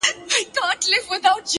• دعا ګوی وي د زړو کفن کښانو,,!